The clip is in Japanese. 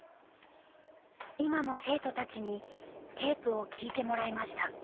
今の生徒たちにテープを聞いてもらいました。